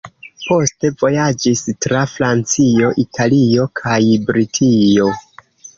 Poste vojaĝis tra Francio, Italio kaj Britio.